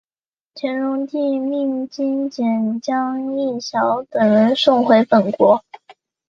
乾隆帝命金简将益晓等人送回本国。